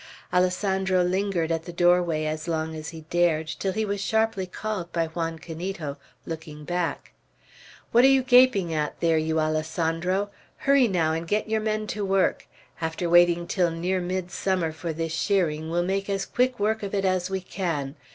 Alessandro lingered at the doorway as long as he dared, till he was sharply called by Juan Canito, looking back: "What are you gaping at there, you Alessandro! Hurry, now, and get your men to work. After waiting till near midsummer for this shearing, we'll make as quick work of it as we can.